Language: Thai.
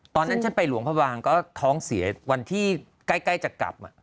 ตอนนั้นฉันไปหลวงพระวางก็ท้องเสียวันที่ใกล้จะกลับ